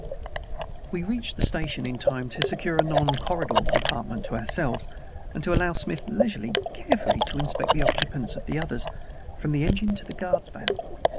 We reached the station in time to secure a non corridor compartment to ourselves, and to allow Smith leisure carefully to inspect the occupants of all the others, from the engine to the guard's van.